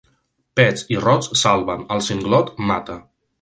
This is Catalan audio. Pets i rots salven, el singlot mata.